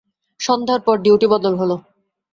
সন্ধ্যার পর ডিউটি বদল হল।